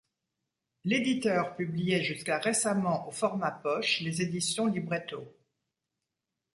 L'éditeur publiait jusqu'à récemment au format poche les éditions Libretto.